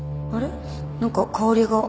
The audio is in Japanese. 何か香りが